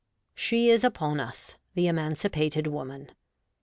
SHE is upon us, the Emancipated Woman.